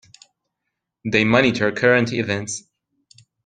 They monitor current events.